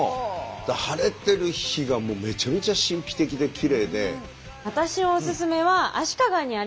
晴れてる日がもうめちゃめちゃ神秘的できれいで。